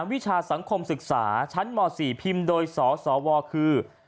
วิชาสังคมศึกษาชั้นม๔พิมพ์โดยสสวคือ